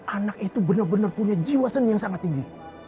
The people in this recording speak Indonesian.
anak itu benar benar punya jiwa seni yang sangat tinggi